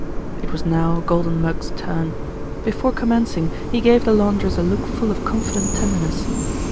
It was now Golden Mug's turn. Before commencing, he gave the laundress a look full of confident tenderness.